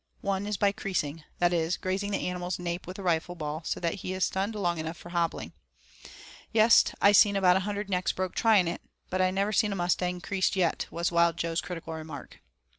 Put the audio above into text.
One is by creasing that is, grazing the animal's nape with a rifle ball so that he is stunned long enough for hobbling. "Yes! I seen about a hundred necks broke trying it, but I never seen a mustang creased yet," was Wild Jo's critical remark.